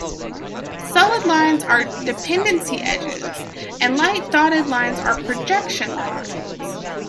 Solid lines are "dependency edges" and lightly dotted lines are "projection lines".